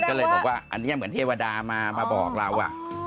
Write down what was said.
ก็เลยบอกว่าอันนี้เหมือนเทวดามาบอกเรา